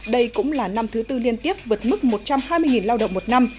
đây cũng là năm thứ tư liên tiếp vượt mức một trăm hai mươi lao động một năm